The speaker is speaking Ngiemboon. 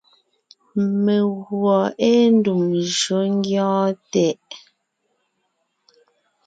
Meguɔ ée ndùm njÿó ńgyɔ́ɔn tɛʼ.